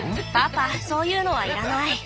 パパそういうのはいらない。